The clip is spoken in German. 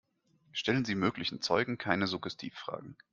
Stellen Sie möglichen Zeugen keine Suggestivfragen.